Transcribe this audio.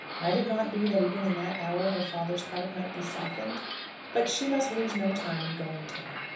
Might it not be that even in that hour her father's heart might be softened? But she must lose no time in going to him.